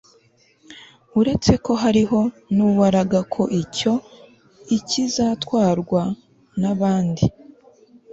uretseko hariho nuwaraga ko icyo i kizatwarwa n'abandi